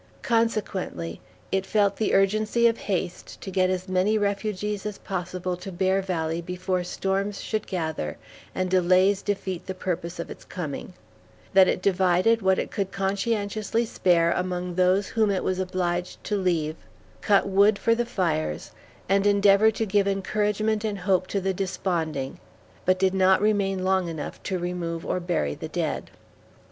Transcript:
Consequently, it felt the urgency of haste to get as many refugees as possible to Bear Valley before storms should gather and delays defeat the purpose of its coming; that it divided what it could conscientiously spare among those whom it was obliged to leave, cut wood for the fires, and endeavored to give encouragement and hope to the desponding, but did not remain long enough to remove or bury the dead.